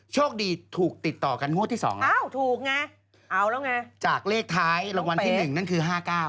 โชคดีถูกติดต่อกันงวดที่๒จากเลขท้ายรางวัลที่๑นั่นคือ